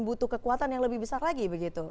butuh kekuatan yang lebih besar lagi begitu